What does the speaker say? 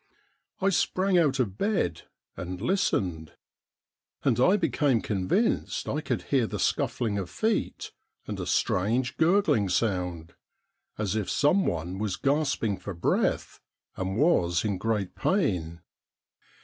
I sprang out of bed and listened, and I became convinced I could hear the scuffling of feet, and a strange gurgling sound as if someone was gasping for breath and was in great pain.